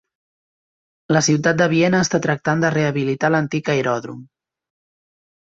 La ciutat de Viena està tractant de rehabilitar l'antic aeròdrom.